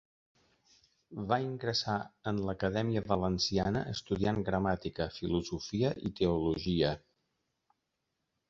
Va ingressar en l'Acadèmia Valenciana estudiant gramàtica, filosofia i teologia.